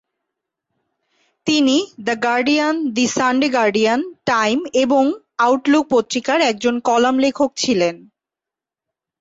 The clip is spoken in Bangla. তিনি "the Guardian", "the Sunday Guardian", "Time" এবং "আউটলুক পত্রিকার" একজন কলাম লেখক ছিলেন।